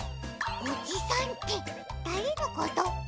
おじさんってだれのこと？